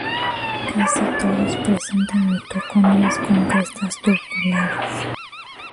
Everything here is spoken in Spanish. Casi todos presentan mitocondrias con crestas tubulares.